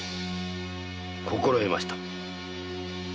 心得ました。